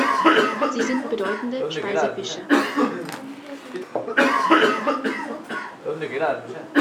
Sie sind bedeutende Speisefische.